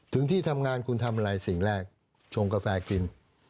ถึงที่ทำงานคุณทำอะไรสิ่งแรกชงกาแฟกิน